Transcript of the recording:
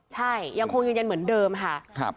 ใช่ยังคงยืนยันเหมือนเดิมค่ะ